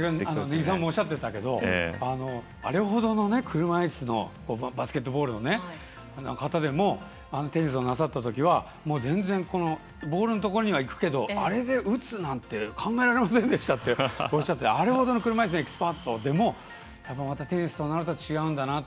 根木さんがおっしゃってたけどあれほどの車いすのバスケットボールの方でもテニスをなさったときにはボールのところにはいくけどあれで打つなんて考えられませんでしたとおっしゃってたのであれだけの車いすのエキスパートでもテニスとなると違うんだなと。